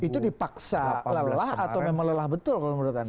itu dipaksa lelah atau memang lelah betul kalau menurut anda